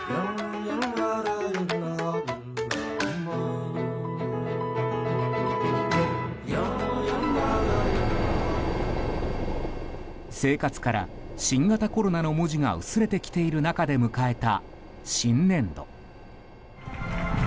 「報道ステーション」も生活から「新型コロナ」の文字が薄れてきている中で迎えた新年度。